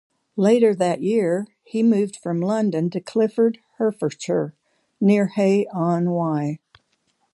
Later that year he moved from London to Clifford, Herefordshire, near Hay-on-Wye.